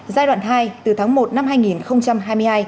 giai đoạn hai từ tháng một năm hai nghìn hai mươi hai